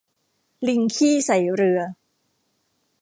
ลิงขี้ใส่เรือ